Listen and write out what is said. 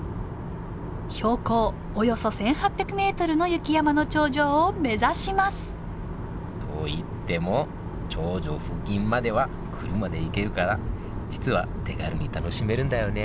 標高およそ１，８００ｍの雪山の頂上を目指しますといっても頂上付近までは車で行けるから実は手軽に楽しめるんだよね